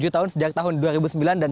tujuh tahun sejak tahun dua ribu sembilan dan